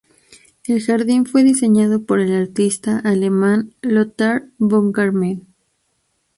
El jardín fue diseñado por el artista alemán Lothar Baumgarten.